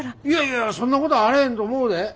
いやいやそんなことあれへんと思うで。